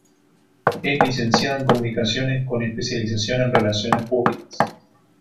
Es Licenciada en Comunicaciones con especialización en Relaciones Públicas.